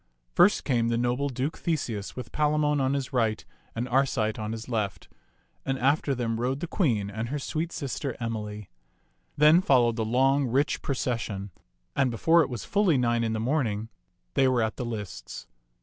First came the noble Duke Theseus with Palamon on his right and Arcite on his left, and after them rode the queen and her sweet sister Emily. Then followed the long, rich pro cession; and before it was fully nine in the morning, they were at the lists.